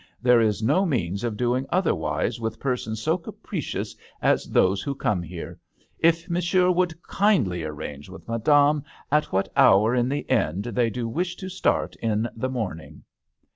There is no means of doing otherwise with persons so capricious as those who come here. If Mon sieur would kindly arrange with Madame at what hour in the end they do wish to start in the morning."